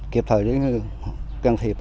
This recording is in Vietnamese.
kịp thời để cân thiệp